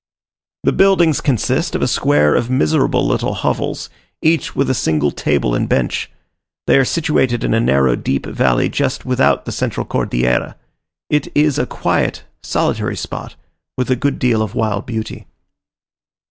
The buildings consist of a square of miserable little hovels, each with a single table and bench. They are situated in a narrow deep valley just without the central Cordillera. It is a quiet, solitary spot, with a good deal of wild beauty.